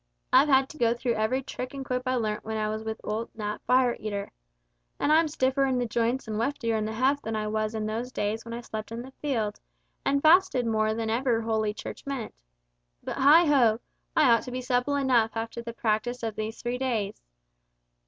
I've had to go through every trick and quip I learnt when I was with old Nat Fire eater. And I'm stiffer in the joints and weightier in the heft than I was in those days when I slept in the fields, and fasted more than ever Holy Church meant. But, heigh ho! I ought to be supple enough after the practice of these three days.